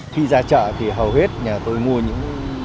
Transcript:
khi ra chợ thì hầu hết nhà tôi mua những